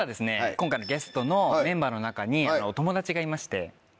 今回のゲストのメンバーの中に友達がいまして。